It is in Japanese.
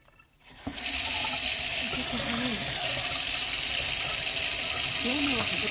私早いよ。